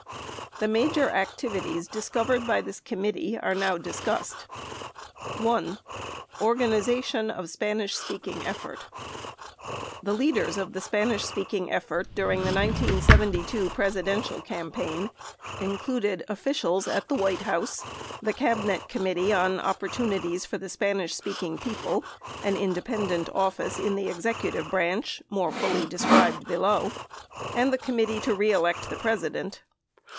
The major activities discovered by the committee are now discussed. 1. ORGANIZATION OF SPANISH SPEAKING EFFORT The leaders of the Spanish speaking effort during the 1972 Presi dential campaign included officials at the White House, the Cabinet Committee on Opportunities for the Spanish speaking People (an independent office in the executive branch more fully described below), and the Committee To Re Elect the President.